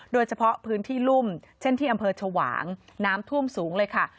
โดยเฉพาะพื้นที่รุ่มเช่นที่อำเภอชวางน้ำท่วมสูงเลยค่ะ